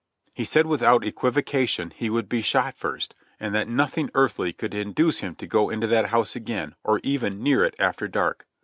He said without equivocation, he would be shot first, and that nothing earthly could induce him to go into that house again, or even near it after dark.